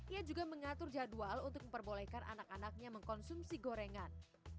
ia juga mengatur jadwal untuk memperbolehkan anak anaknya mengkonsumsi gorengan